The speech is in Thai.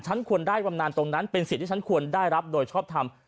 ฉันควรได้บำนานตรงนั้นเป็นสิทธิ์ที่ฉันควรได้รับโดยชอบทำ